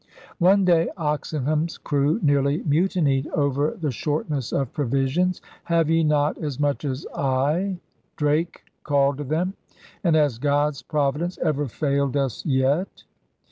One day Oxenham's crew nearly mutinied over the shortness of provisions. 'Have ye not as much as I, ' Drake called to them, ' and has God's Providence ever failed us yet?'